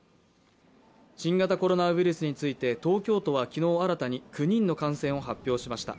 新型コロナウイルスについて、東京都は昨日新たに９人の感染を発表しました。